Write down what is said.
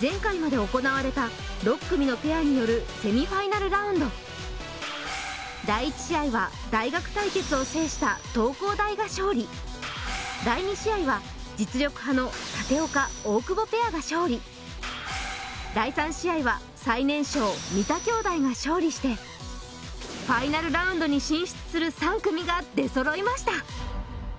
前回まで行われた６組のペアによるセミファイナルラウンド第１試合は大学対決を制した東工大が勝利第２試合は実力派の舘岡・大久保ペアが勝利第３試合は最年少三田兄弟が勝利してファイナルラウンドに進出する３組が出そろいました